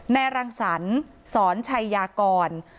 นายรังสรรสชัยากร